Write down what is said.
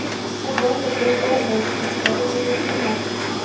É bom depois do almoço, exceto as nuvens no norte.